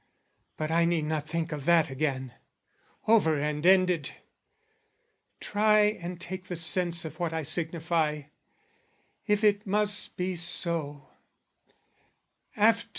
but I need not think of that again Over and ended! Try and take the sense Of what I signify, if it must be so.